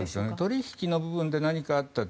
取引の部分で何かあったと。